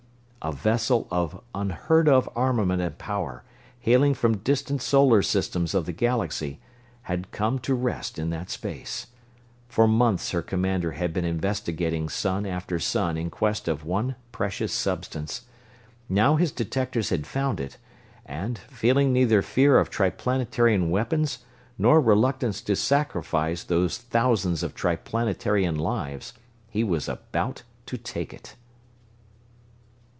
A vessel of unheard of armament and power, hailing from a distant solar system of the Galaxy, had come to rest in that space. For months her commander had been investigating sun after sun in quest of one precious substance. Now his detectors had found it; and, feeling neither fear of Triplanetarian weapons nor reluctance to sacrifice those thousands of Triplanetarian lives, he was about to take it!